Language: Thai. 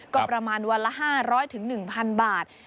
ก็ประมาณวันละ๕๐๐๑๐๐บาท